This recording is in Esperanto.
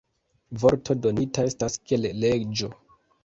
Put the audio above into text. Vorto donita estas kiel leĝo.